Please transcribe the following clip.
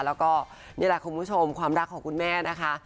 แล้วก็นี่แหละคุณผู้ชมความรักของคุณแม่นะคะ